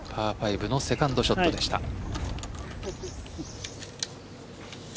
パー５のセカンドショットでした。